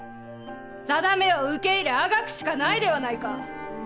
さだめを受け入れあがくしかないではないか。